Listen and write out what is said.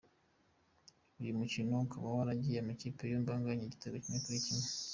Uyu mukino ukaba warangiye amakipe yombi anganya igitego kimwe kuri kimwe.